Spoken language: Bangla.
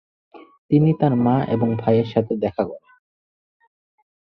তিনি তাঁর মা এবং ভাইয়ের সাথে দেখা করেন।